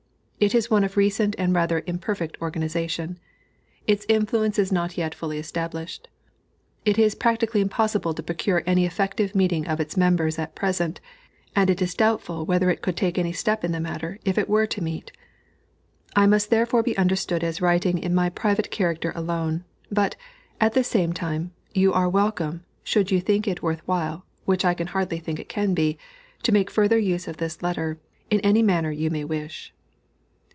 It is one of recent and rather imperfect organization; its influence is not yet fully established. It is practically impossible to procure any effective meeting of its members at present, and it is doubtful whether it could take any step in the matter if it were to meet. I must therefore be understood as writing in my private character alone, but, at the same time, you are welcome, should you think it worth while (which I can hardly think it can be), to make further use of this letter, in any manner you may wish.